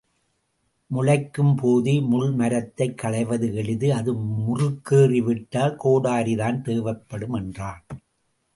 முளைக்கும் போதே முள் மரத்தைக் களைவது எளிது அது முறுக்கேறி விட்டால் கோடரிதான் தேவைப்படும் என்றான்.